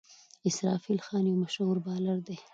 اسرافیل خان یو مشهور بالر دئ.